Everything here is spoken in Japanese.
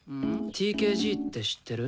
ＴＫＧって知ってる？